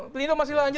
pelindung masih lanjut